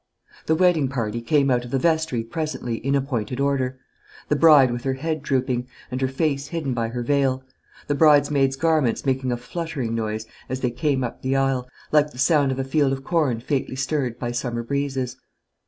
The wedding party came out of the vestry presently in appointed order: the bride with her head drooping, and her face hidden by her veil; the bridesmaids' garments making a fluttering noise as they came up the aisle, like the sound of a field of corn faintly stirred by summer breezes.